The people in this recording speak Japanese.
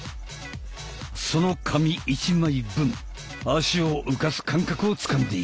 その紙１枚分足を浮かす感覚をつかんでいこう。